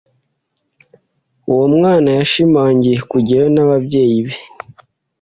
Uwo mwana yashimangiye kujyayo n'ababyeyi be.